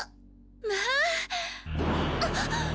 まあ！あっ？